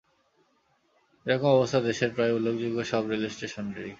এ রকম অবস্থা দেশের প্রায় উল্লেখযোগ্য সব রেলস্টেশনেরই।